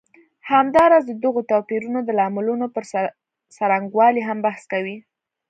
همداراز د دغو توپیرونو د لاملونو پر څرنګوالي هم بحث کوي.